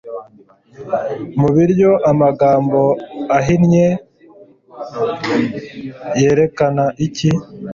Mu biryo Amagambo ahinnye yerekana iki